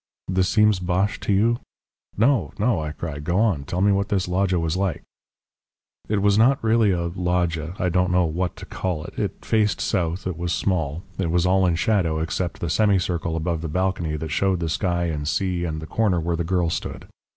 "This seems bosh to you?" "No, no!" I cried. "Go on. Tell me what this loggia was like." "It was not really a loggia I don't know what to call it. It faced south. It was small. It was all in shadow except the semicircle above the balcony that showed the sky and sea and the corner where the girl stood.